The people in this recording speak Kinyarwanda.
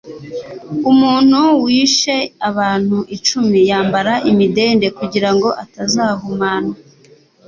Umuntu wishe abantu icumi yambara imidende kugirango atazahumana